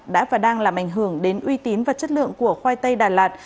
đã và đang làm ảnh hưởng đến uy tín và chất lượng của khoai tây đà lạt